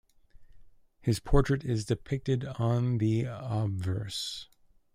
His portrait is depicted on the obverse.